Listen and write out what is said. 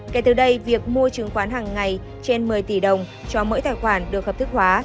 kể từ đây việc mua chứng khoán hàng ngày trên một mươi tỷ đồng cho mỗi tài khoản được hợp thức hóa